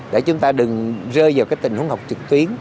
để chúng ta đừng rơi vào cái tình huống học trực tuyến